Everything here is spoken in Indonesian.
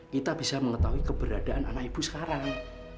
kita bisa mengetahui keberadaan anak ibu sekarang